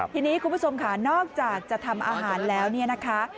ทีนี้คุณผู้ชมค่ะนอกจากจะทำอาหารแล้วเนี่ยนะคะ